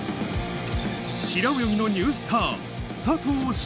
平泳ぎのニュースター、佐藤翔